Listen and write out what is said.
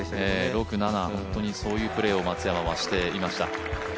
６、７、そういうプレーを本当に松山はしていました。